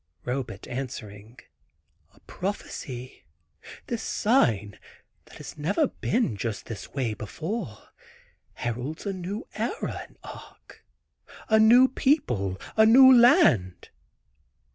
Robet answering, "A prophecy. This sign that has never been just this way before, heralds a new era in Arc; a new people, a new land.